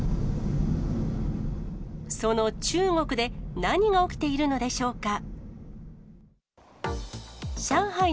その中国で何が起きているのでしょうか。